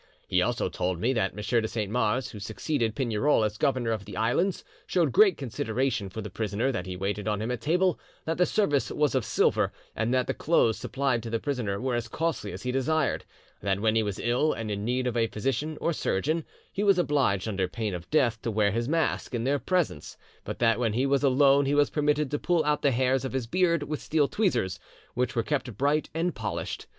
He also told me that M. de Saint Mars, who succeeded Pignerol as governor of the islands, showed great consideration for the prisoner, that he waited on him at table, that the service was of silver, and that the clothes supplied to the prisoner were as costly as he desired; that when he was ill and in need of a physician or surgeon, he was obliged under pain of death to wear his mask in their presence, but that when he was alone he was permitted to pull out the hairs of his beard with steel tweezers, which were kept bright and polished.